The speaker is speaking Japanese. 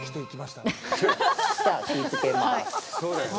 じゃあ、火をつけます。